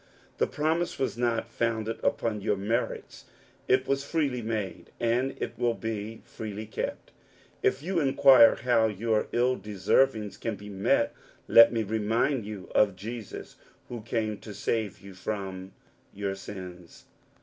The promise was ^^. founded upon your merits ; it was freely made, a^^ it will be as freely kept. If you inquire how ya^ . ill deservings can be met, let me remind you ^ Jesus who came to save you from your sins.